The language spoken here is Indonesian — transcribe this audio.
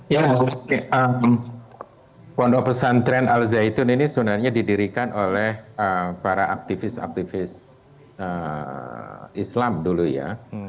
ya pondok pesantren al zaitun ini sebenarnya didirikan oleh para aktivis aktivis islam dulu ya